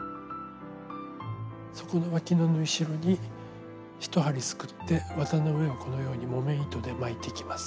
底のわきの縫い代に１針すくって綿の上をこのように木綿糸で巻いていきます。